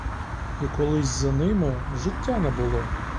І колись за ними життя не було.